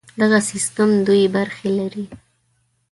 دغه سیستم دوې برخې لري.